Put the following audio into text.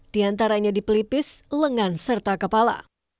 di antaranya di pelipis lengan serta kepala